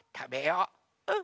うん。